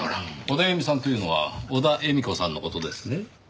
オダエミさんというのは小田絵美子さんの事ですね？